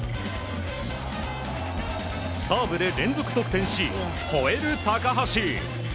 サーブで連続得点し、ほえる高橋。